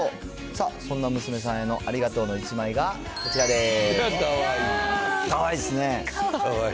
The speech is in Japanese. さあ、そんな娘さんへのありがとうの１枚がこちらです。